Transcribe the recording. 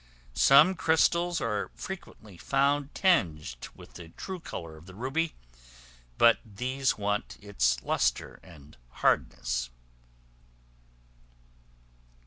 Some crystals are frequently found tinged with the true color of the ruby, but these want its lustre and hardness.